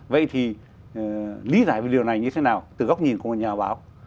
vậy thì lý giải về điều này như thế nào từ góc nhìn của một nhà báo